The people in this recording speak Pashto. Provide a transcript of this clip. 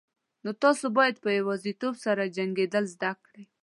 نو تاسو باید په یوازیتوب سره جنگیدل زده کړئ.